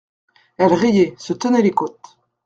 Elle riait, se tenait les côtes.